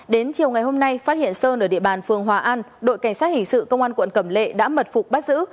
đến chiều ngày hôm nay phát hiện sơn ở địa bàn phường hòa an đội cảnh sát hình sự công an quận cẩm lệ đã mật phục bắt giữ